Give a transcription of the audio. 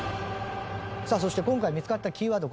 さあそして今回見つかったキーワード